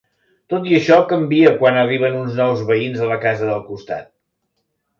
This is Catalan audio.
Tot i això canvia quan arriben uns nous veïns a la casa del costat.